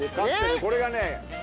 これがね